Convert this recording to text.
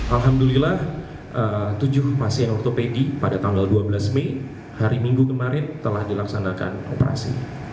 alhamdulillah tujuh pasien otopedi pada tanggal dua belas mei hari minggu kemarin telah dilaksanakan operasi